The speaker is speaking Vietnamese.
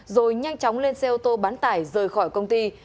rồi nhanh chóng lên xe ô tô bán tải rời khỏi công ty